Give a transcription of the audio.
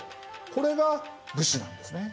これが武士なんですね。